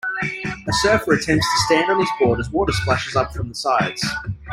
A surfer attempts to stand on his board as water splashes up from the sides.